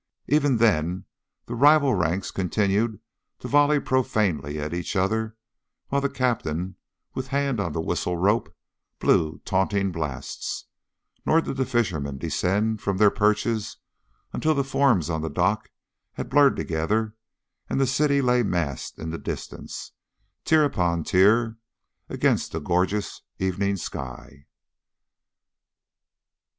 Even then the rival ranks continued to volley profanely at each other, while the Captain, with hand on the whistle rope, blew taunting blasts; nor did the fishermen descend from their perches until the forms on the dock had blurred together and the city lay massed in the distance, tier upon tier, against the gorgeous evening sky.